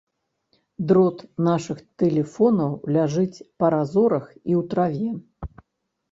Дрот нашых тэлефонаў ляжыць па разорах і ў траве.